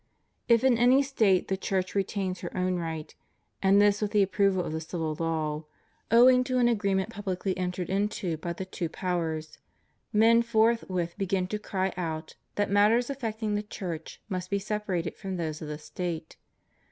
If in any State the Church retains her own right — and this with the approval of the civil law, owing to an agreement publicly entered into by the two powers — men forthwith begin to cry out that matters affecting the Church must be separated from those of the State.